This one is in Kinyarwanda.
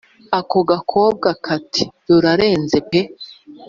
ako gakobwa kati “ rurarenze pee